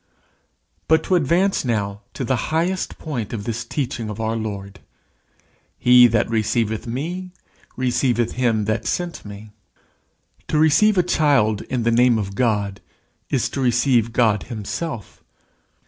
But to advance now to the highest point of this teaching of our Lord: "He that receiveth me receiveth him that sent me." To receive a child in the name of God is to receive God himself.